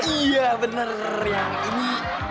iya bener yang ini